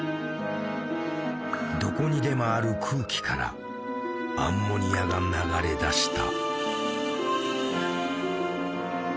どこにでもある空気からアンモニアが流れ出した。